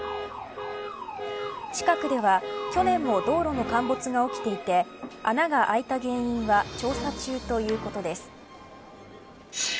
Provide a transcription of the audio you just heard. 近くでは去年も道路の陥没が起きていて穴が開いた原因は調査中ということです。